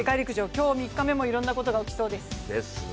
今日、３日目もいろんなことが起きそうです。